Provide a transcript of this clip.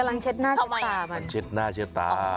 มันกำลังเช็ดหน้าเสื้อตา